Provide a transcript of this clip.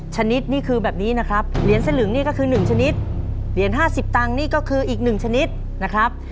ชนิดนี่คือแบบนี้นะครับเหรียญสลึงนี่ก็คือ๑ชนิดเหรียญ๕๐ตังค์นี่ก็คืออีก๑ชนิดนะครับ